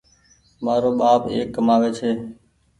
مآرو ٻآپ ايڪ ڪمآوي ڇي